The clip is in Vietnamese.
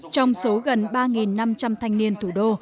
trong số gần ba năm trăm linh thanh niên thủ đô